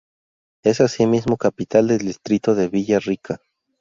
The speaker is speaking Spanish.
Es asimismo capital del distrito de Villa Rica.